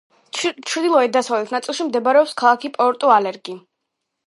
ჩრდილო-დასავლეთ ნაწილში მდებარეობს ქალაქი პორტუ-ალეგრი.